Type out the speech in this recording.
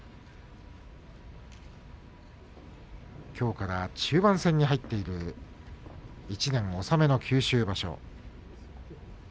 きょうから中盤戦に入っている１年納めの九州場所。